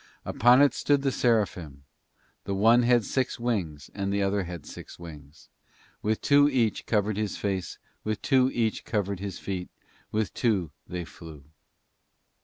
' Upon it stood the sera phim: the one had six wings, and the other had six wings; with two each covered his face, and with two each covered his feet, and with two they flew.